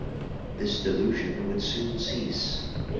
'This delusion would soon cease.